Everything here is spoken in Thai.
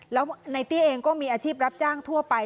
แล้วในเตี้ยเองก็มีอาชีพรับจ้างทั่วไป